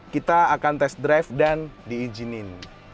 kita akan tes drive dan diizinin